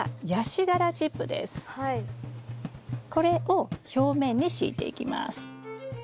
こちらはこれを表面に敷いていきます。